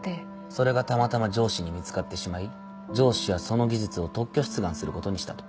それがたまたま上司に見つかってしまい上司はその技術を特許出願することにしたと。